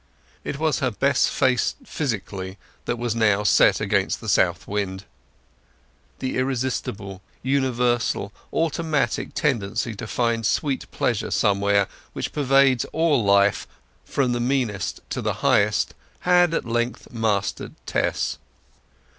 It was her best face physically that was now set against the south wind. The irresistible, universal, automatic tendency to find sweet pleasure somewhere, which pervades all life, from the meanest to the highest, had at length mastered Tess.